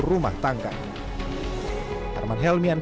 delapan puluh rumah tangga